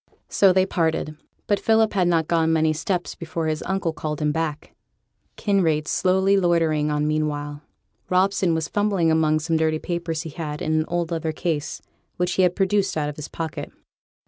So they parted; but Philip had not gone many steps before his uncle called him back, Kinraid slowly loitering on meanwhile. Robson was fumbling among some dirty papers he had in an old leather case, which he had produced out of his pocket.